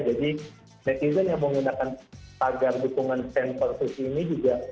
jadi netizen yang menggunakan tagar dukungan sensor susi ini juga